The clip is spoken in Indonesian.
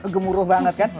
gemuruh banget kan